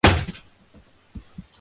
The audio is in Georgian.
ეკლესია გეგმით კვადრატულია.